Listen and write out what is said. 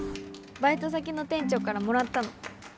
バイト先の店長からもらったの。